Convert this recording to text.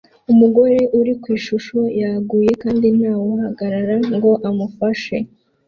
Umugore uri ku ishusho yaguye kandi ntawe uhagarara ngo amufashe